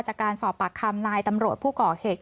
จากการสอบปากคำนายตำรวจผู้ก่อเหตุ